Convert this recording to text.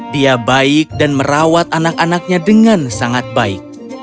dia baik dan merawat anak anaknya dengan sangat baik